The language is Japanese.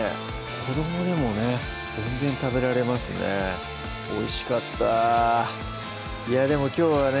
子どもでもね全然食べられますねおいしかったいやでもきょうはね